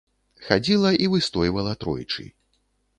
Хадзіла і выстойвала тройчы.